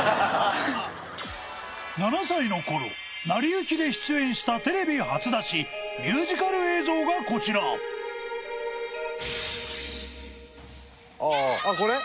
７歳の頃成り行きで出演したテレビ初出しミュージカル映像がこちら・あこれ？